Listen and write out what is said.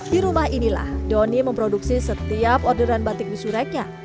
di rumah inilah doni memproduksi setiap orderan batik bisureknya